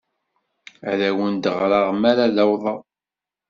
Ad awen-d-ɣreɣ mi ara awḍeɣ.